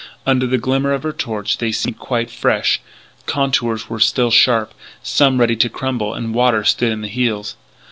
Under the glimmer of her torch they seemed quite fresh; contours were still sharp, some ready to crumble, and water stood in the heels.